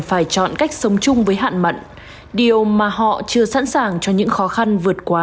sử dụng khoảng cách sống chung với hạn mặn điều mà họ chưa sẵn sàng cho những khó khăn vượt quá